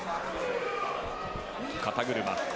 肩車。